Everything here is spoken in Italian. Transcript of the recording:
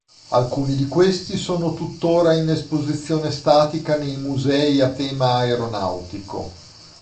Alcuni di questi sono tuttora in esposizione statica nei musei a tema aeronautico.